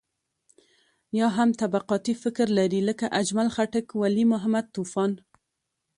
يا هم طبقاتي فکر لري لکه اجمل خټک، ولي محمد طوفان.